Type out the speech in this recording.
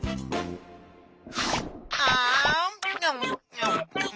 あん。